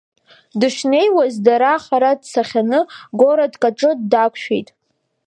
Дышнеиуаз, дара хара дцахьаны городк аҿы дақәшәеит.